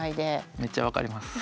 めっちゃ分かります。